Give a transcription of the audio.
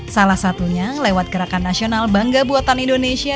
salah satunya lewat gerakan nasional bangga buatan indonesia